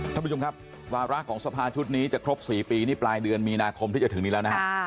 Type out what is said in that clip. ท่านผู้ชมครับวาระของสภาชุดนี้จะครบ๔ปีนี่ปลายเดือนมีนาคมที่จะถึงนี้แล้วนะฮะ